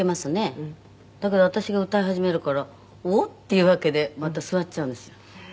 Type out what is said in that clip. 「だけど私が歌い始めるからおっ？っていうわけでまた座っちゃうんですよ」